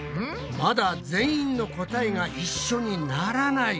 まだ全員の答えが一緒にならない。